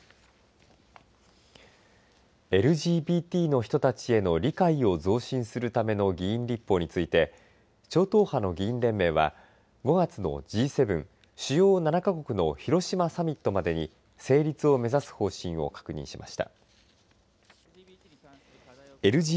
ＬＧＢＴの人たちへの理解を増進するための議員立法について超党派の議員連盟は５月のＧ７主要７か国の広島サミットまでに成立を目指す方針を確認しました。